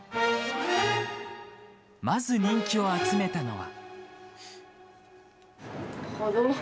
まず人気を集めたのは。